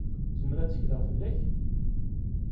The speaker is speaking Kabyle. Zemreɣ ad tekkleɣ fell-ak?